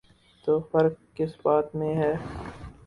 تو فرق کس بات میں ہے؟